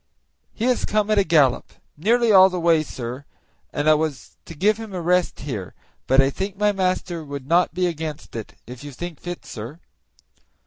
"He has come at a gallop nearly all the way, sir, and I was to give him a rest here; but I think my master would not be against it, if you think fit, sir."